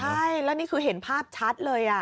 ใช่แล้วนี่คือเห็นภาพชัดเลย